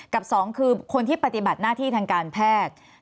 กับสองคือคนที่ปฏิบัติหน้าที่ทางการแพทย์